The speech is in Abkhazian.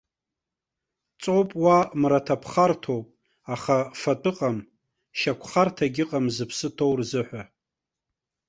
Ҵоуп, уа мраԥхарҭоуп, аха фатә ыҟам, шьақәхарҭагь ыҟам зыԥсы ҭоу рзыҳәа.